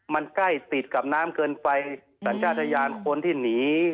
มันใกล้ติดกับน้ำเกินไปสัญชาติยานคนที่หนี